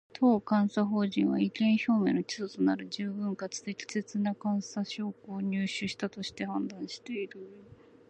当監査法人は、意見表明の基礎となる十分かつ適切な監査証拠を入手したと判断している